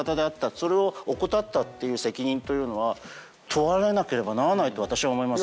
それを怠ったっていう責任というのは問われなければならないと私は思いますけどね。